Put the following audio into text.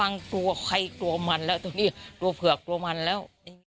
กลัวใครกลัวมันแล้วตรงนี้กลัวเผือกกลัวมันแล้ว